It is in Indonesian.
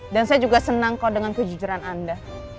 dan saya juga senang kok dengan kejujuran anda